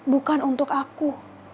bukan untuk aku